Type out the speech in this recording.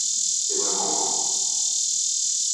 C’est vraiment grand.